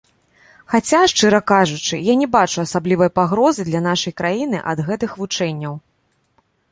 Хаця, шчыра кажучы, я не бачу асаблівай пагрозы для нашай краіны ад гэтых вучэнняў.